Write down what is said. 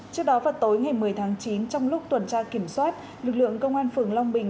trước đó vào tối ngày một mươi tháng chín trong lúc tuần tra kiểm soát lực lượng công an phường long bình